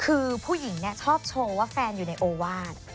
คือผู้หญิงชอบโชว์ว่าแฟนอยู่ในโอวาส